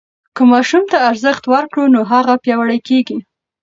که ماشوم ته ارزښت ورکړو نو هغه پیاوړی کېږي.